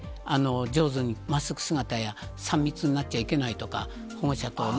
上手に、マスク姿や３密になっちゃいけないとか、保護者とね。